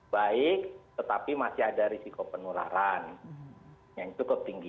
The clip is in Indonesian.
baik tetapi masih ada risiko penularan yang cukup tinggi